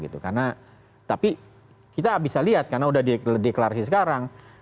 tapi kita bisa lihat karena sudah di deklarasi sekarang